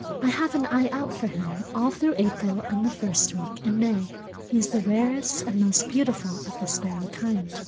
I have an eye out for him all through April and the first week in May. He is the rarest and most beautiful of the sparrow kind.